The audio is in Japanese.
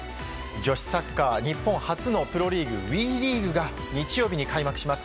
女子サッカー日本初のプロリーグＷＥリーグが日曜日、開幕します。